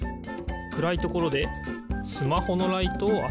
くらいところでスマホのライトをあてる。